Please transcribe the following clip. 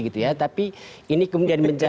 menurut dpr dekat kemudian layak